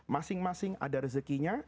masing masing ada rezekinya